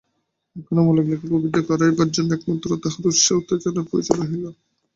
এখন অমলকে লেখায় প্রবৃত্ত করাইবার জন্য একমাত্র তাহারই উৎসাহ ও উত্তেজনার প্রয়োজন রহিল না।